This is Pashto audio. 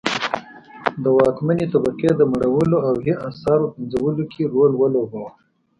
د واکمنې طبقې د مړولو او هي اثارو پنځولو کې رول ولوباوه.